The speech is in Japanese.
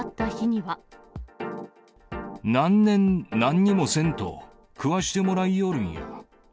何年、なんにもせんと食わしてもらいよるんや。